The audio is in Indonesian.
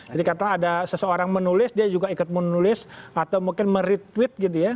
jadi katanya ada seseorang menulis dia juga ikut menulis atau mungkin meretweet gitu ya